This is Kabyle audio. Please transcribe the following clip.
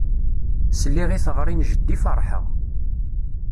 Sliɣ i teɣri n jeddi ferḥeɣ.